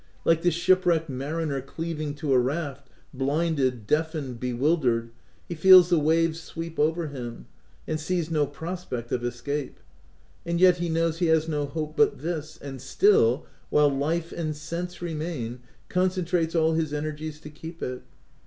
Like the shipwrecked mariner cleaving to a raft, blinded, deafened, bewildered, he feels the waves sweep over him, and sees no prospect of escape ; and yet he knows he has no hope but this, and still, while life and sense remain, concentrates all his energies to keep it.